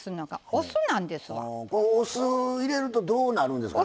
お酢を入れるとどうなるんですか？